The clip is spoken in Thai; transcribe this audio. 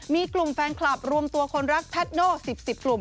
มีกลุ่มแฟนคลับรวมตัวคนรักแพทโน่๑๐๑๐กลุ่ม